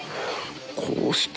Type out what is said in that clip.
こうして。